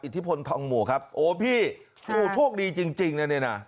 อิทธิพลทองหมวะครับโอ้พี่โอ้โหโชคดีจริงนะเนี่ยนะ